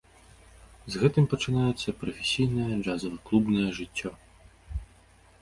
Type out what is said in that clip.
З гэтым пачынаецца прафесійнае джазава-клубнае жыццё.